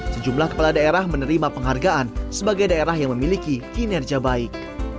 sejumlah kepala daerah menerima penghargaan sebagai daerah yang memiliki kinerja baik